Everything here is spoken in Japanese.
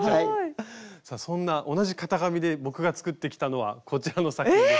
さあそんな同じ型紙で僕が作ってきたのはこちらの作品です。